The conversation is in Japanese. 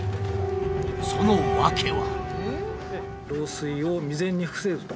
その訳は。